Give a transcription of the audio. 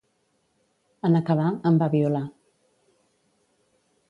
En acabar, em va violar.